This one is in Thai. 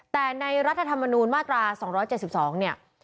แต่ในรัฐธรรมนูญมาตรา๒๗๒เนี่ย